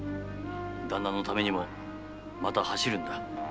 ダンナのためにもまた走るんだ。